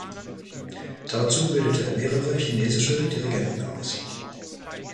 Dazu bildete er mehrere chinesische Dirigenten aus.